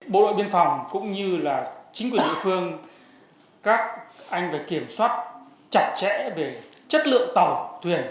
bộ đội biên phòng cũng như là chính quyền địa phương các anh phải kiểm soát chặt chẽ về chất lượng tàu thuyền